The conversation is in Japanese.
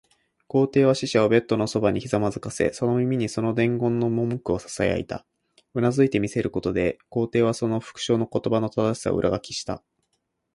皇帝は使者をベッドのそばにひざまずかせ、その耳にその伝言の文句をささやいた。うなずいて見せることで、皇帝はその復誦の言葉の正しさを裏書きした。